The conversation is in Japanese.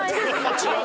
違う？